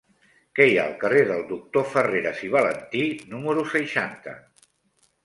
Què hi ha al carrer del Doctor Farreras i Valentí número seixanta?